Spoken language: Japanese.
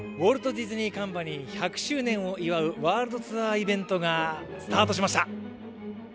ウォルト・ディズニーカンパニー１００周年を祝うワールドツアーがスタートしました。